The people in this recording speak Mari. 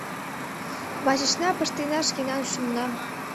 вачешна пыштена шкенан шӱмнам